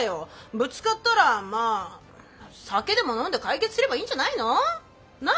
ぶつかったらまあ酒でも飲んで解決すればいいんじゃないの？なあ。